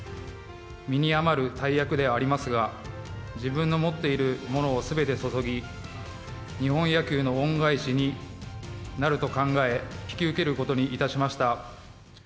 身に余る大役ではありますが、自分の持っているものをすべて注ぎ、日本野球の恩返しになると考え、引き受けることにいたしました。